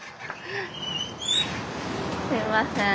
すいません。